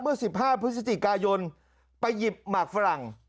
เมื่อ๑๕พฤศจิกายนไปหยิบหมากฝรั่ง